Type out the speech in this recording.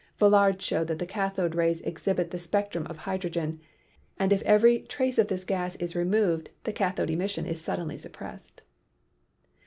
(Villard showed that the cathode rays exhibit the spectrum of hydrogen, and if every trace of this gas is removed the cathode emission is suddenly suppressed.)